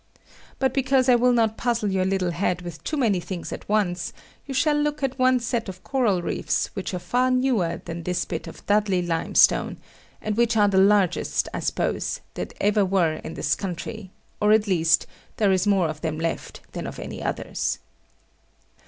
But because I will not puzzle your little head with too many things at once, you shall look at one set of coral reefs which are far newer than this bit of Dudley limestone, and which are the largest, I suppose, that ever were in this country; or, at least, there is more of them left than of any others.